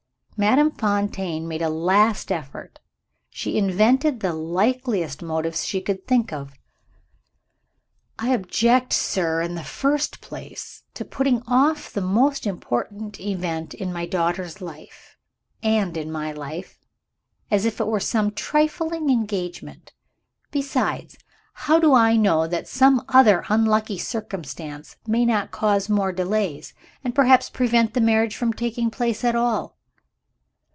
Madame Fontaine made a last effort she invented the likeliest motives she could think of. "I object, sir, in the first place, to putting off the most important event in my daughter's life, and in my life, as if it was some trifling engagement. Besides, how do I know that some other unlucky circumstance may not cause more delays; and perhaps prevent the marriage from taking place at all?"